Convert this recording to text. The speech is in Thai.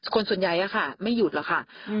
คนส่วนใหญ่ค่ะไม่หยุดหรอกค่ะ